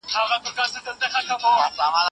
اعتمادالدوله د شاه محمود پر وړاندې ودرید.